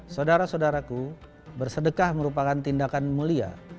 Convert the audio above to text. saudara saudaraku bersedekah merupakan tindakan mulia